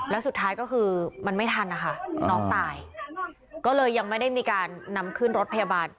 แล้วสุดท้ายก็คือมันไม่ทันนะคะน้องตายก็เลยยังไม่ได้มีการนำขึ้นรถพยาบาล